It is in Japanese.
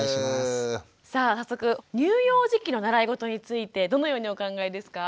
さあ早速乳幼児期の習いごとについてどのようにお考えですか？